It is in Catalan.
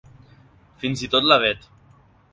Fins i tot la Bet.